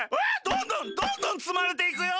どんどんどんどんつまれていくよ。